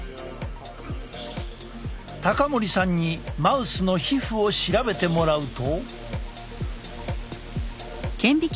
森さんにマウスの皮膚を調べてもらうと。